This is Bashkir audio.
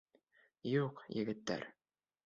Юҡ, егеттәр!